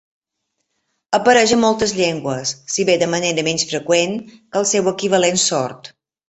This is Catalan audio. Apareix a moltes llengües, si bé de manera menys freqüent que el seu equivalent sord.